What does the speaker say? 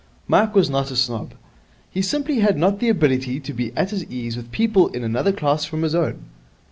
Mike was not a snob. He simply had not the ability to be at his ease with people in another class from his own.